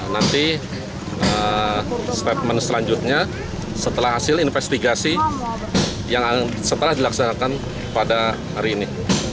nanti statement selanjutnya setelah hasil investigasi yang setelah dilaksanakan pada hari ini